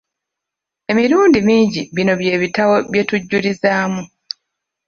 Emilundi mingi bino bye bitabo bye tujulizaamu.